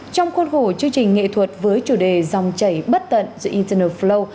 trong khuôn khổ chương trình nghệ thuật với chủ đề dòng chảy bất tận dưới internal flow